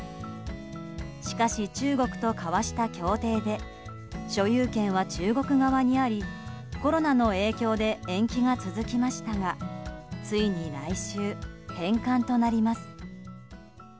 しかし、中国と交わした協定で所有権は中国側にありコロナの影響で延期が続きましたがついに来週、返還となります。